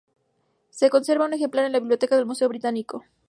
Se conserva un ejemplar en la Biblioteca del Museo Británico.